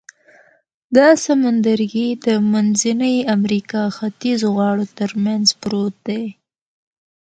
دا سمندرګي د منځنۍ امریکا ختیځو غاړو تر منځ پروت دی.